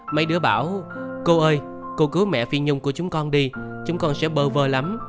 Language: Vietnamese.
mấy đứa bảo cô ơi cô cứu mẹ phi nhung của chúng con đi chúng con sẽ bờ vờ lắm